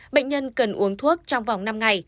bệnh nhân cần uống thuốc trong vòng năm ngày